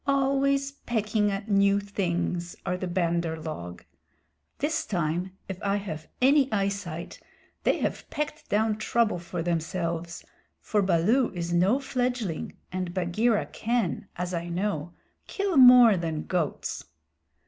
Always pecking at new things are the Bandar log. This time, if I have any eye sight, they have pecked down trouble for themselves, for Baloo is no fledgling and Bagheera can, as I know, kill more than goats."